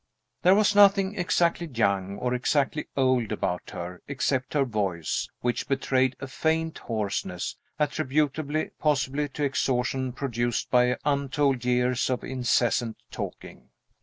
There was nothing exactly young or exactly old about her except her voice, which betrayed a faint hoarseness, attributable possibly to exhaustion produced by untold years of incessant talking.